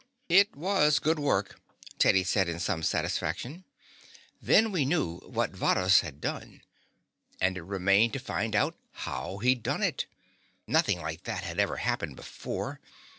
"It was good work," Teddy said in some satisfaction. "Then we knew what Varrhus had done, and it remained to find out how he'd done it. Nothing like that had ever happened before.